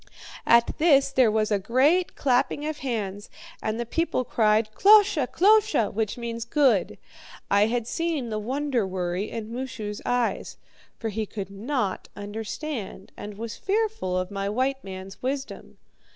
"At this there was a great clapping of hands, and the people cried, 'KLOSHE! KLOSHE!' which means 'good.' I had seen the wonder worry in Moosu's eyes; for he could not understand, and was fearful of my white man's wisdom.